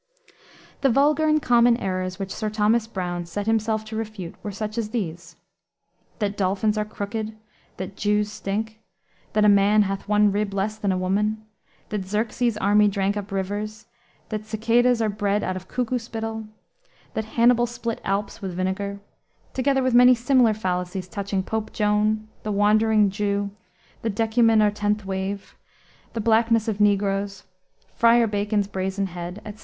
The vulgar and common errors which Sir Thomas Browne set himself to refute, were such as these: That dolphins are crooked, that Jews stink, that a man hath one rib less than a woman, that Xerxes's army drank up rivers, that cicades are bred out of cuckoo spittle, that Hannibal split Alps with vinegar, together with many similar fallacies touching Pope Joan, the Wandering Jew, the decuman or tenth wave, the blackness of negroes, Friar Bacon's brazen head, etc.